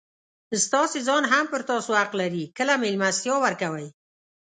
ستاسي ځان هم پر تاسو حق لري؛ کله مېلمستیا ورکوئ!